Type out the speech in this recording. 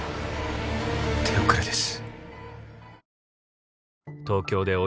手遅れです。